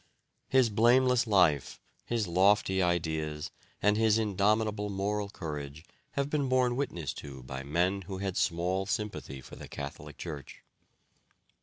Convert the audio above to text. His blameless life, his lofty ideas, and his indomitable moral courage have been borne witness to by men who had small sympathy for the Catholic Church.